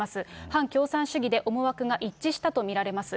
反共産主義で思惑が一致したと見られます。